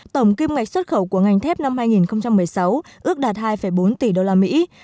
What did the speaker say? tổng kim ngạch xuất khẩu của ngành thép năm hai nghìn một mươi sáu ước đạt hai bốn tỷ đô la mỹ